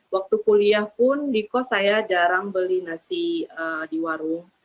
waktu kuliah pun di kos saya jarang beli nasi di warung